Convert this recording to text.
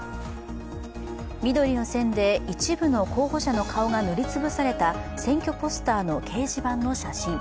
緑の線で一部の候補者の顔が塗り潰された選挙ポスターの掲示板の写真。